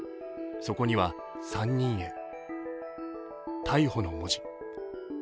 そこには「３人へ」、「逮捕」の文字。